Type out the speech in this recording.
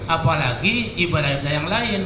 apalagi ibadah yang lain